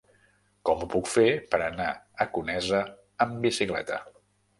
Com ho puc fer per anar a Conesa amb bicicleta?